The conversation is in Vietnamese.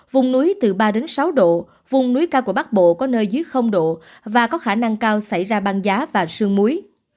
vùng núi từ ba đến sáu độ vùng núi cao của bắc bộ có nơi dưới độ và có khả năng cao xảy ra băng giá và sương muối